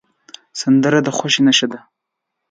سندره د خوښۍ نښه ده